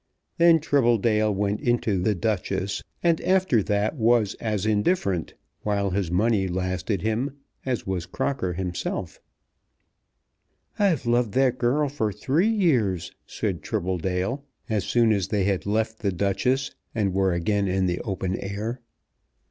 Then Tribbledale went into "The Duchess," and after that was as indifferent, while his money lasted him, as was Crocker himself. "I've loved that girl for three years," said Tribbledale, as soon as they had left "The Duchess" and were again in the open air.